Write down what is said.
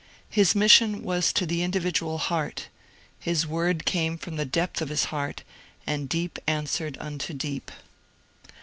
His mission was to the individual heart ; his word came from the depth of his heart, and deep answered unto deep.